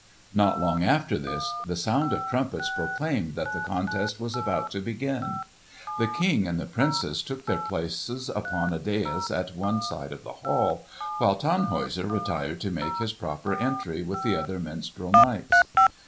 Not long after this, the sound of trumpets proclaimed that the contest was about to begin. The King and the Princess took their places upon a dais at one side of the hall, while Tannhäuser retired to make his proper entry with the other minstrel knights.